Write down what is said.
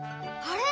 あれ？